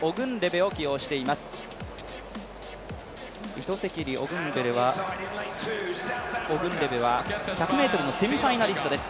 イトセキリ、オグンレベは１００ｍのセミファイナリストです。